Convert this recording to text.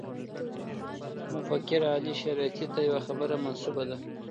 مفکر علي شریعیتي ته یوه خبره منسوبه ده.